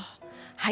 はい。